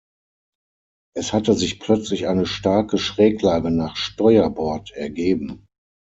Es hatte sich plötzlich eine starke Schräglage nach Steuerbord ergeben.